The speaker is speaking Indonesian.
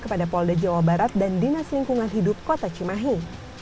kepada polda jawa barat dan dinas lingkungan hidup kota cimahi